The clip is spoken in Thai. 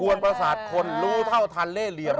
วนประสาทคนรู้เท่าทันเล่เหลี่ยม